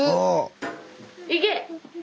いけ！